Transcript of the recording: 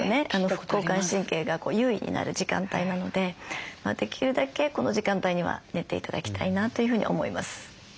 副交感神経が優位になる時間帯なのでできるだけこの時間帯には寝て頂きたいなというふうに思います。